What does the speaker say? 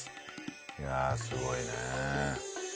いやあすごいね。